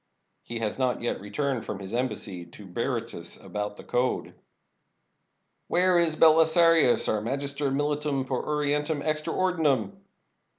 " "He has not yet returned from his embassy to Bery tus about the code." "Where is Belisarius, our Magister Militum per Orien tum extra Ordinem?"